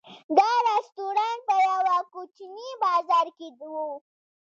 دا رسټورانټ په یوه کوچني بازار کې و.